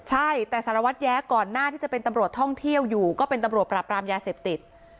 ใช่แต่สารวัตรแย้ก่อนหน้าที่จะเป็นตำรวจท่องเที่ยวอยู่ก็เป็นตำรวจปราบรามยาเสพติด